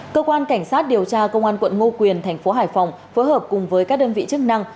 cơ quan cảnh sát điều tra công an quận ngô quyền thành phố hải phòng phối hợp cùng với các đơn vị chức năng